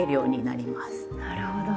なるほど。